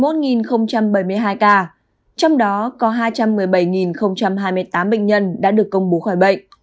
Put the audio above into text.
trong đó có hai trăm một mươi bảy hai mươi tám bệnh nhân đã được công bố khỏi bệnh